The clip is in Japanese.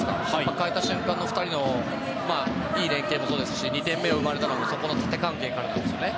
代えた瞬間の２人のいい連係もそうですし２点目が生まれたのもそこの縦関係からなんですね。